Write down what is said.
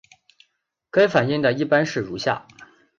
该反应的一般式如下。